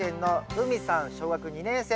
小学２年生です。